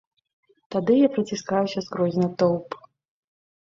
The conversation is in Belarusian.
Тады я праціскаюся скрозь натоўп.